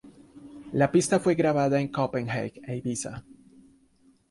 La pista fue grabada en Copenhague e Ibiza.